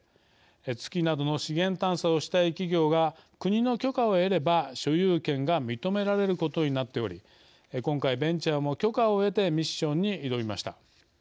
月などの資源探査をしたい企業が国の許可を得れば所有権が認められることになっており今回ベンチャーも許可を得てミッションに挑みました。